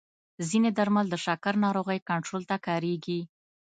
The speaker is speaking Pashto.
ځینې درمل د شکر ناروغۍ کنټرول ته کارېږي.